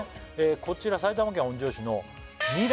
こちら埼玉県本庄市の味